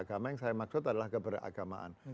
agama yang saya maksud adalah keberagamaan